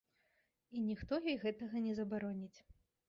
І ніхто ёй гэтага не забароніць.